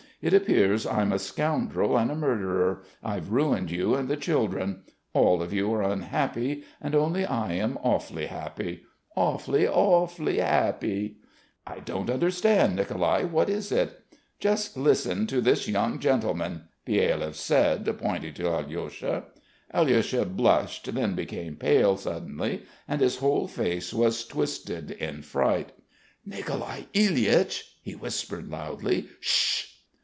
It appears I'm a scoundrel and a murderer, I've ruined you and the children. All of you are unhappy, and only I am awfully happy! Awfully, awfully happy!" "I don't understand, Nicolai! What is it?" "Just listen to this young gentleman," Byelyaev said, pointing to Alyosha. Alyosha blushed, then became pale suddenly and his whole face was twisted in fright. "Nicolai Ilyich," he whispered loudly. "Shh!"